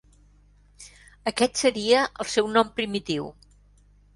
Aquest seria el seu nom primitiu.